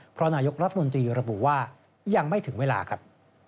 เพราะนายกรัฐมนตรีระบุว่ายังไม่ถึงเวลาครับ